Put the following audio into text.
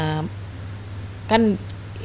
kan ini kemudian menyebutnya